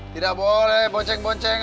tidak boleh bonceng bonceng